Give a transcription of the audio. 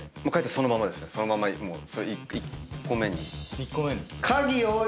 そのまま１個目に。